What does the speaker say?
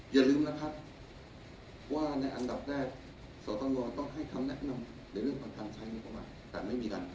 อย่าลืมนะครับว่าในอันดับแรกสตมต้องให้คำแนะนำในเรื่องประทับใช้นิยมประมาณ